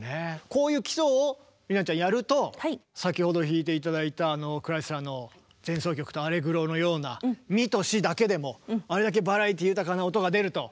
こういう基礎を理奈ちゃんやると先ほど弾いて頂いたあのクライスラーの「前奏曲とアレグロ」のようなミとシだけでもあれだけバラエティー豊かな音が出ると。